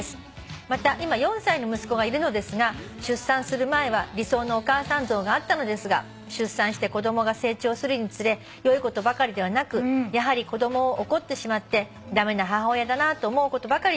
「また今４歳の息子がいるのですが出産する前は理想のお母さん像があったのですが出産して子供が成長するにつれ良いことばかりではなくやはり子供を怒ってしまって駄目な母親だなと思うことばかりです」